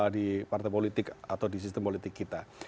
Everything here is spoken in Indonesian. di partai politik atau di sistem politik kita